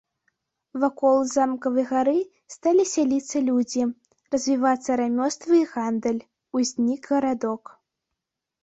Вакол замкавай гары сталі сяліцца людзі, развівацца рамёствы і гандаль, узнік гарадок.